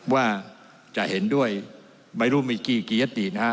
ว่าจะเห็นด้วยไม่รู้มีกี่ยตินะฮะ